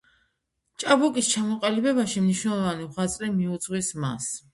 ჭაბუკის ჩამოყალიბებაში მნიშვნელოვანი ღვაწლი მიუძღვის მას.